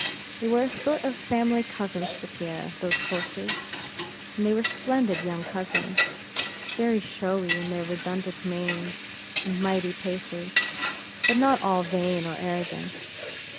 They were a sort of family cousins to Pierre, those horses; and they were splendid young cousins; very showy in their redundant manes and mighty paces, but not at all vain or arrogant.